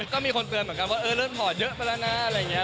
ก็มีคนเตือนเหมือนกันว่าเออเริ่มถอดเยอะไปแล้วนะอะไรอย่างนี้